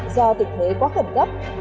do tình thế quá khẩn cấp